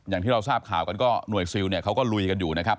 อย่างที่เราทราบข่าวกันก็หน่วยซิลเนี่ยเขาก็ลุยกันอยู่นะครับ